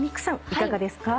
いかがですか？